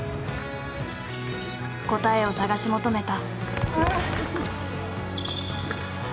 答えを探し求めた。